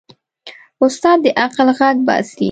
استاد د عقل غږ باسي.